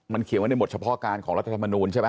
เขียนไว้ในบทเฉพาะการของรัฐธรรมนูลใช่ไหม